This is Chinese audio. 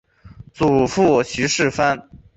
祖父许士蕃。